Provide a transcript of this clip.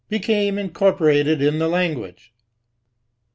became incorporated in the language.